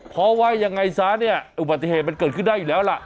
เพราะว่าอย่างไงซ้านี่อุบัติเหตุื่นขึ้นได้อยู่แล้วล่ะ